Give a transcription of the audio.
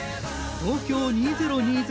東京２０２０